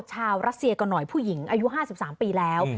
รัสเซียก่อนหน่อยผู้หญิงอายุ๕๓ปีแล้ว